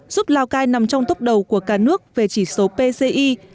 giúp lào cai nằm trong tốc đầu của cả nước về chỉ số pci